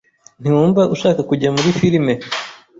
Ntiwumva ushaka kujya muri firime?